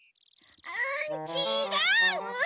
あんちがう！